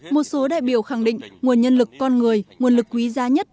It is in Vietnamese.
một số đại biểu khẳng định nguồn nhân lực con người nguồn lực quý giá nhất